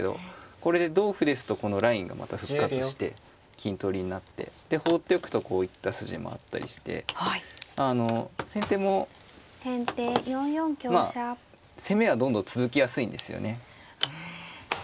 これで同歩ですとこのラインがまた復活して金取りになってで放っておくとこういった筋もあったりしてあの先手も攻めはどんどん続きやすいんですよね。